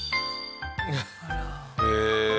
へえ。